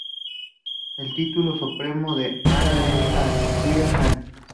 El título supremo de A’ana es el "TuiA’ana".